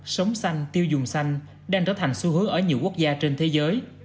sống sanh tiêu dùng sanh đang trở thành xu hướng ở nhiều quốc gia trên thế giới